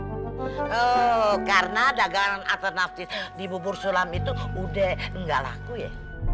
oh karena dagangan ata naftis di bubur sulam itu udah gak laku ya